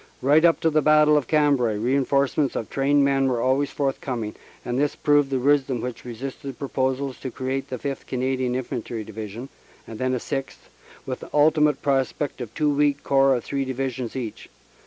Right up to the Battle of Cambrai reinforcements of trained men were always forthcoming, and this proved the wisdom which resisted proposals to create the Sth. Canadian Infantry Divi sion, and then a sixth, with the ultimate prospect of two weak Corps of three Divisions each.